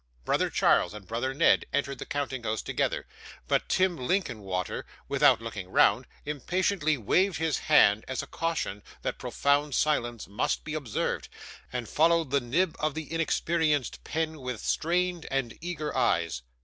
Brother Charles and brother Ned entered the counting house together; but Tim Linkinwater, without looking round, impatiently waved his hand as a caution that profound silence must be observed, and followed the nib of the inexperienced pen with strained and eager eyes.